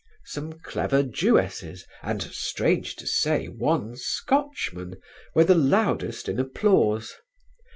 Some clever Jewesses and, strange to say, one Scotchman were the loudest in applause.